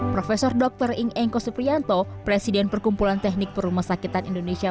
prof dr ingengko suprianto presiden perkumpulan teknik perumah sakitan indonesia